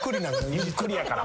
ゆっくりやから。